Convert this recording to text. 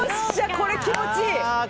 これ、気持ちいい！